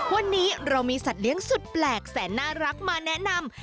วันนี้เรามีสัตว์เลี้ยงสุดแปลกแสนน่ารักมาแนะนำ